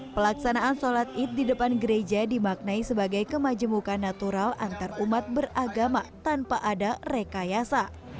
pelaksanaan sholat id di depan gereja dimaknai sebagai kemajemukan natural antarumat beragama tanpa ada rekayasa